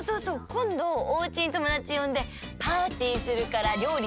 こんどおうちにともだちよんでパーティーするから料理